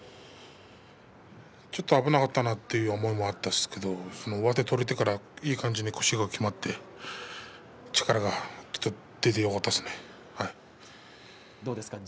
ちょっと危なかったなという思いはあったんですが上手を取れたからいい感じに腰がきまって力が出てよかったですね。